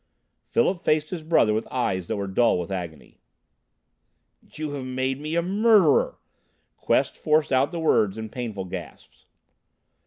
Philip faced his brother with eyes that were dull with agony. "You have made me a murderer!" Quest forced out the words in painful gasps.